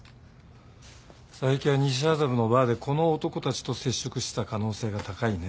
佐伯は西麻布のバーでこの男たちと接触してた可能性が高いね。